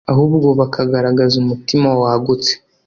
ahubwo bakagaragaza umutima wagutse,